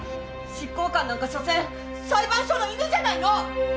執行官なんかしょせん裁判所の犬じゃないの！